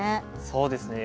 そうですね。